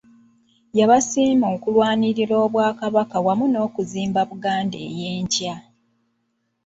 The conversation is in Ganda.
Yabasiima okulwanirira Obwakabaka wamu n'okuzimba Buganda ey'enkya.